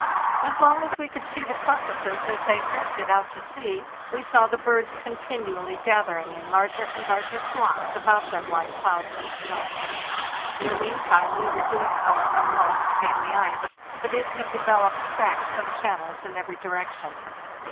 As long as we could see the carcasses as they drifted out to sea, we saw the birds continually gathering in larger and larger flocks about them like clouds of snow. In the meantime we were doing our utmost to gain the ice, but it had developed cracks and channels in every direction.